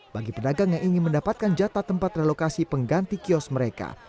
bagi pedagang yang ingin mendapatkan jatah tempat relokasi pengganti kios mereka